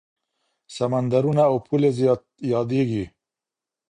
سمندرونه او پولې یادېږي.